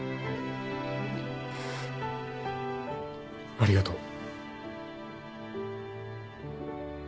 ありがとう。